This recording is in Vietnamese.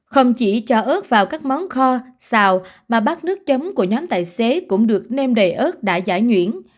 không chỉ cho ớt vào các món kho xào mà bát nước chấm của nhóm tài xế cũng được nêm đầy ớt đã giải nhuyễn